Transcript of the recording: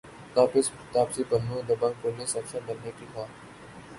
تاپسی پنو دبنگ پولیس افسر بننے کی خواہاں